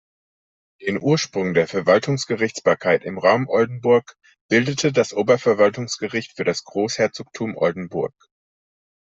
Den Ursprung der Verwaltungsgerichtsbarkeit im Raum Oldenburg bildete das Oberverwaltungsgericht für das Großherzogtum Oldenburg.